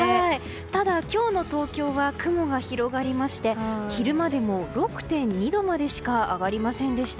ただ、今日の東京は雲が広がりまして昼間でも６．２度までしか上がりませんでいた。